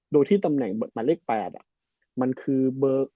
โดยที่ตำแหน่งหมายเลข๘